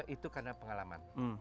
itu karena pengalaman